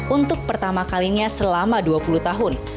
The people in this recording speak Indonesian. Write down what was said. untuk pertama kalinya selama dua puluh tahun